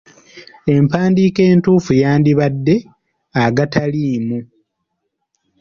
Empandiika entuufu yandibadde "agataliimu"